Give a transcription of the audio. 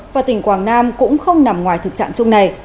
và tỉnh quảng nam cũng không nằm ngoài thực trạng chung này